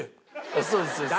そうですそうです。